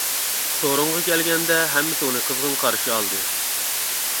سورۇنغا كەلگەندە ھەممىسى ئۇنى قىزغىن قارشى ئالدى.